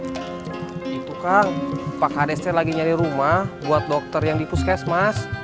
itu kang pak hades teh lagi nyari rumah buat dokter yang di puskes mas